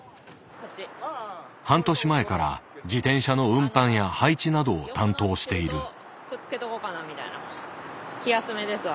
半年前から自転車の運搬や配置などを担当している。